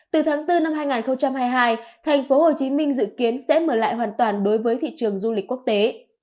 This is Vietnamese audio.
từ tháng bốn năm hai nghìn hai mươi hai thành phố hồ chí minh dự kiến sẽ mở lại hoàn toàn đối với thị trường du lịch quốc tế